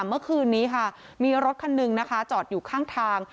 เมื่อคืนนี้ค่ะมีรถคันหนึ่งนะคะจอดอยู่ข้างทาง